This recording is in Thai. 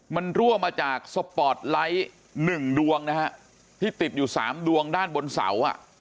มันรั่วมาจากสปอร์ตไลท์๑ดวงนะฮะที่ติดอยู่๓ดวงด้านบนเสาอ่ะ